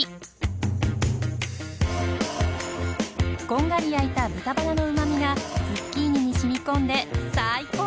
こんがり焼いた豚バラのうまみがズッキーニに染み込んで最高。